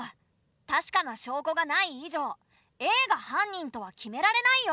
確かな証拠がない以上Ａが犯人とは決められないよ。